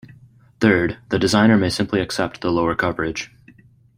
Third, the designer may simply accept the lower coverage.